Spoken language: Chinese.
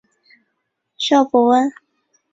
邵伯温。